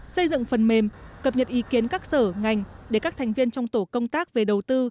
xây dựng phần mềm cập nhật ý kiến các sở ngành để các thành viên trong tổ công tác về đầu tư